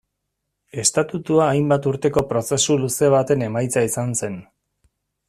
Estatutua hainbat urteko prozesu luze baten emaitza izan zen.